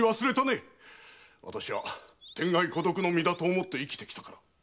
私は天涯孤独の身だと思って生きてきた。